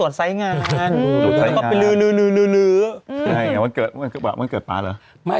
งานมันเกิดเมื่อนกว่าเมื่อเกิดป๊าเหรอไม่